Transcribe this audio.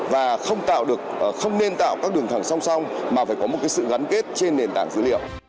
và không nên tạo các đường thẳng song song mà phải có một sự gắn kết trên nền tảng dữ liệu